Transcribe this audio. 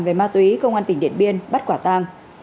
về ma túy công an tỉnh điện biên bắt quả tang